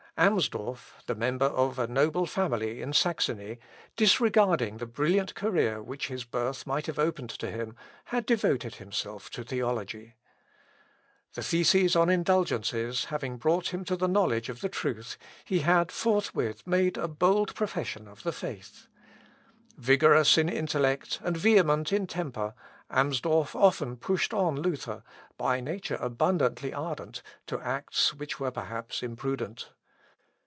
Amsdorf, the member of a noble family in Saxony, disregarding the brilliant career which his birth might have opened to him, had devoted himself to theology. The theses on indulgences having brought him to the knowledge of the truth, he had forthwith made a bold profession of the faith. Vigorous in intellect and vehement in temper, Amsdorf often pushed on Luther, by nature abundantly ardent, to acts which were perhaps imprudent.